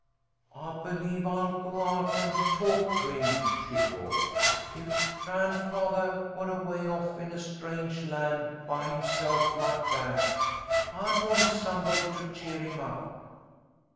"I believe I'll go out and talk to him," she thought. "If grandfathah were away off in a strange land by himself like that, I'd want somebody to cheer him up."